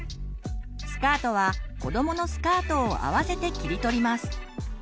スカートはこどものスカートを合わせて切り取ります。